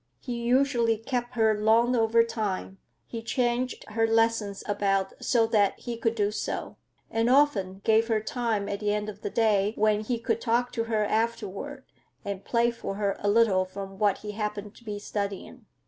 He usually kept her long over time; he changed her lessons about so that he could do so, and often gave her time at the end of the day, when he could talk to her afterward and play for her a little from what he happened to be studying.